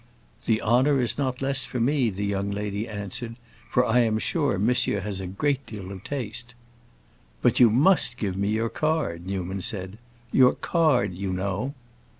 "The honor is not less for me," the young lady answered, "for I am sure monsieur has a great deal of taste." "But you must give me your card," Newman said; "your card, you know."